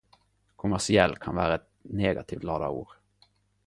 Kommersiell kan vere eit negativt lada ord.